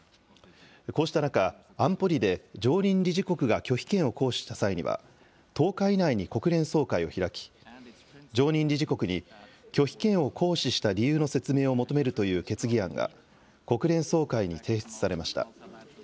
こうした中、安保理で常任理事国が拒否権を行使した際には１０日以内に国連総会を開き常任理事国に拒否権を行使した理由の説明を求めるという決議案が国連総会に提出されました。